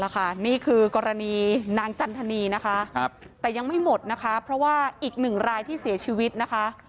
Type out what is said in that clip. นี่คือกรณีนางจันทนีนะคะแต่ยังไม่หมดนะคะเพราะว่าอีกหนึ่งรายที่เสียชีวิตนะคะ